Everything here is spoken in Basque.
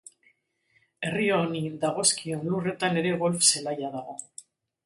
Herri honi dagozkion lurretan ere golf zelaia dago.